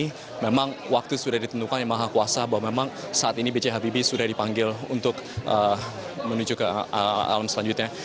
dan memang waktu sudah ditentukan oleh maha kuasa bahwa memang saat ini b j habibie sudah dipanggil untuk menuju ke alam selanjutnya